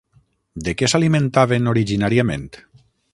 De què s'alimentaven originàriament?